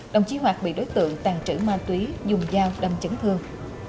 đồng chí hoạt bị đối tượng tàn trữ ma túy dùng dao đâm chấn thương